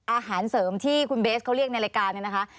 อาหารเสริมที่คุณเบสเขาเรียกในรายการเนี่ยนะคะ